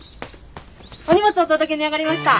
お荷物お届けに上がりました。